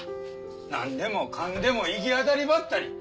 何でもかんでも行き当たりばったり。